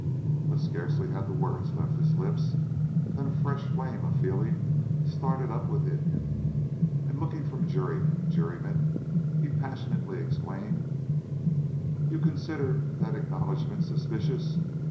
But scarcely had the words left his lips, than a fresh flame of feeling started up within him, and looking from juryman to juryman he passionately exclaimed: "You consider that acknowledgment suspicious.